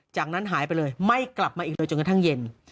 จากนั้นหายไปเลยไม่กลับมาอีกเลยจนกระทั่งเย็น